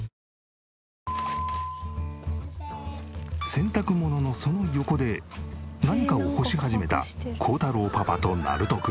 洗濯物のその横で何かを干し始めた耕太郎パパとなると君。